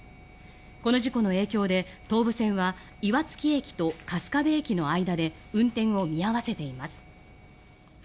この事故の影響で東武線は岩槻駅と春日部駅の間で運転を見合わせています。